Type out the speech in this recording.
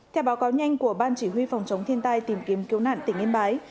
theo báo cáo nhanh của ban chỉ huy phòng chống thiên tai tìm kiếm cứu nạn tỉnh yên bái